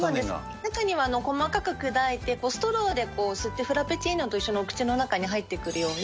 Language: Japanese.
中には細かく砕いて、ストローで吸って、フラペチーノと一緒にお口の中に入ってくるように。